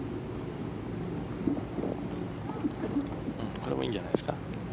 これはいいんじゃないですか？